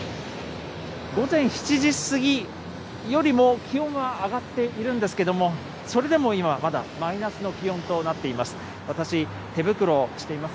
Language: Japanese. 午前７時過ぎよりも気温は上がっているんですけれども、それでも今、まだマイナスの気温となっています。